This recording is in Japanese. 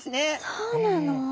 そうなの？